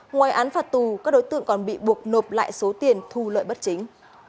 ngoài án phạt tù các đối tượng còn bị buộc nộp lại số tiền thu lợi bất chính